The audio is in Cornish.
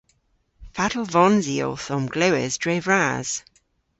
Fatel vons i owth omglewes dre vras?